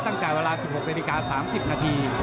ตั้งแต่เวลา๑๖นาฬิกา๓๐นาที